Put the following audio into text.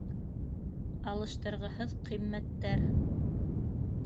Алыштырғыһыҙ ҡиммәттәр.